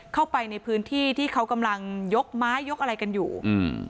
เข้าไปในพื้นที่ที่เขากำลังยกไม้ยกอะไรกันอยู่อืม